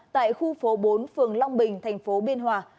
tại khu phố bốn phường long bình tp biên hòa